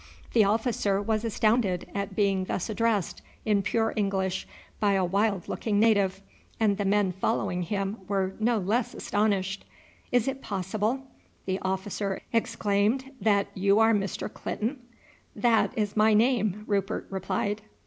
The officer was astounded at being thus addressed in pure English by a wild looking native, and the men following him were no less astonished. "Is it possible," the officer exclaimed, "that you are Mr. Clinton?" "That is my name," Rupert replied.